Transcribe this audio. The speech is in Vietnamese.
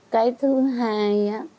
cái thứ hai